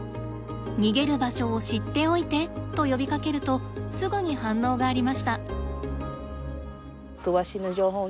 「逃げる場所を知っておいて」と呼びかけるとすぐに反応がありました。